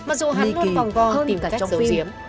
mặc dù hắn luôn vòng vo tìm cách giấu giếm